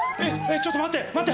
ちょっと待って待って！